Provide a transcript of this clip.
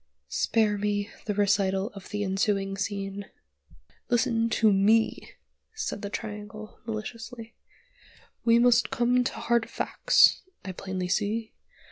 Spare me the recital of the ensuing scene. "Listen to me," said the Triangle, maliciously. "We must come to hard facts, I plainly see.